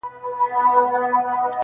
هغه لږ خبري کوي تل-